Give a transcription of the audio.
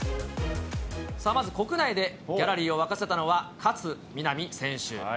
まず国内で、ギャラリーを沸かせたのは、勝みなみ選手。